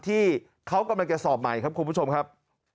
ที่เขากำลังจะสอบใหม่ครับคุณผู้ชมครับ